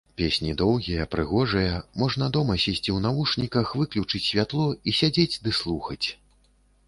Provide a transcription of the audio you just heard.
Песні доўгія, прыгожыя, можна дома сесці ў навушніках, выключыць святло і сядзець ды слухаць.